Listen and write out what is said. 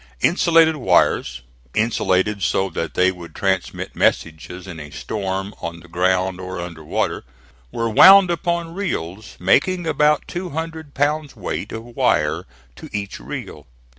Insulated wires insulated so that they would transmit messages in a storm, on the ground or under water were wound upon reels, making about two hundred pounds weight of wire to each reel.